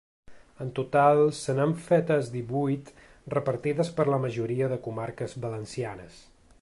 En total se n’han fetes divuit repartides per la majoria de comarques valencianes.